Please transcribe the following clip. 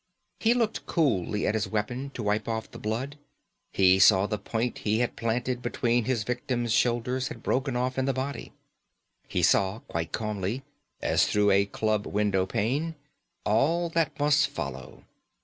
He looked coolly at his weapon to wipe off the blood; he saw the point he had planted between his victim's shoulders had broken off in the body. He saw quite calmly, as through a club windowpane, all that must follow.